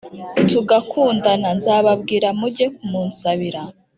tugakundana, nzababwira muge kumunsabira”.